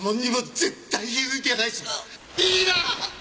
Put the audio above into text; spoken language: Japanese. いいな！？